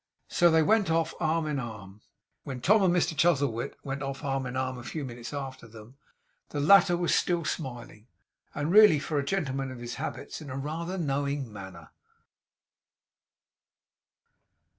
So they went off arm in arm. When Tom and Mr Chuzzlewit went off arm in arm a few minutes after them, the latter was still smiling; and really, for a gentleman of his habits, in rather a knowing manner.